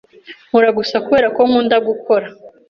Nkora gusa kubera ko nkunda gukora.